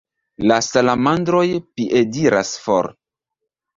La salamandroj piediras for.